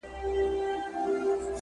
• په ښاديو نعمتونو يې زړه ښاد وو,